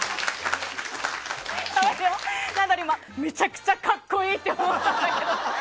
今、めちゃくちゃ格好いいって思ったんだけど。